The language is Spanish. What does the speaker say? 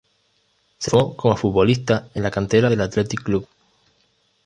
Se formó como futbolista en la cantera del Athletic Club.